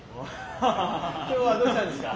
今日はどうしたんですか？